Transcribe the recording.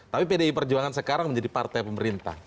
tapi pdi perjuangan sekarang menjadi partai pemerintah